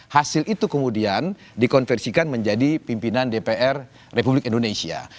hasil itu kemudian dikonversikan menjadi pimpinan dpr republik indonesia